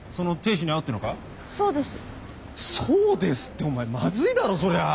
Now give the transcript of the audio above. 「そうです」ってお前まずいだろそれは。